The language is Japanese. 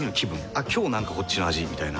「あっ今日なんかこっちの味」みたいな。